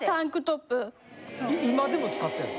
今でも使ってんの？